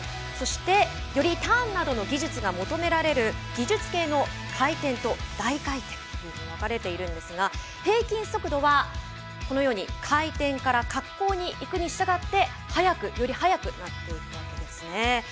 そしてよりターンなどの技術が求められる技術系の回転と大回転分かれているんですが平均速度はこのように回転から滑降に行くにしたがってより速くなっていくわけですね。